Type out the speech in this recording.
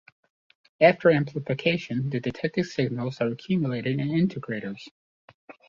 After amplification, the detected signals are accumulated in integrators.